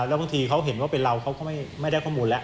แล้วบางทีเขาเห็นว่าเป็นเราเขาก็ไม่ได้ข้อมูลแล้ว